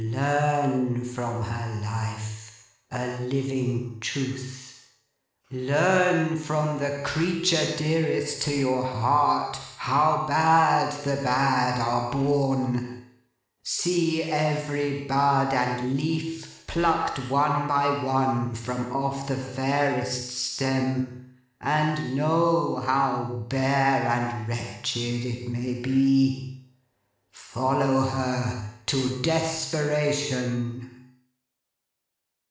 Learn from her life, a living truth. Learn from the creature dearest to your heart, how bad the bad are born. See every bud and leaf plucked one by one from off the fairest stem, and know how bare and wretched it may be. Follow her! To desperation!